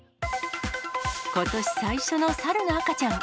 ことし最初の猿の赤ちゃん。